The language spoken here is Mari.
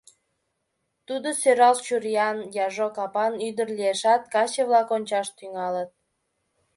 Тудо сӧрал чуриян, яжо капан ӱдыр лиешат, каче-влак ончаш тӱҥалыт...